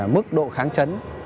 mức độ kháng chấn